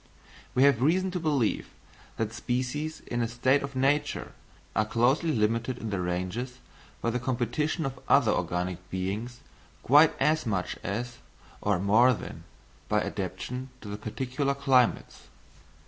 We have reason to believe that species in a state of nature are closely limited in their ranges by the competition of other organic beings quite as much as, or more than, by adaptation to particular climates.